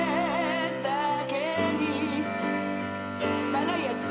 長いやつ！